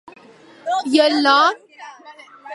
I el nom?